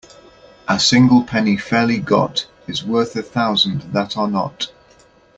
A single penny fairly got is worth a thousand that are not.